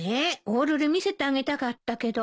オオルリ見せてあげたかったけど。